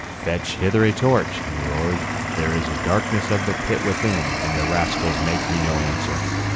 "Fetch hither a torch," he roared, "there is the darkness of the pit within, and the rascals make me no answer."